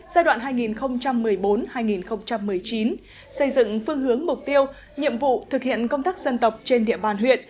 xây dựng phương hướng mục tiêu nhâm vụ thực hiện công tác dân tộc trên địa bàn huyện